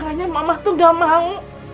makanya mamah tuh gak mau